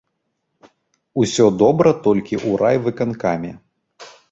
Усё добра толькі ў райвыканкаме.